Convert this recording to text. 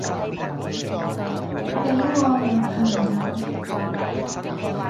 畀我女朋友